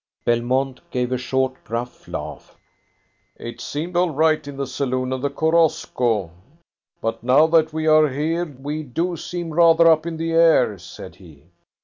Belmont gave a short gruff laugh. "It seemed all right in the saloon of the Korosko, but now that we are here we do seem rather up in the air," said he.